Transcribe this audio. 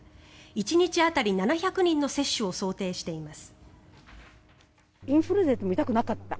１日当たり７００人の接種を想定しています。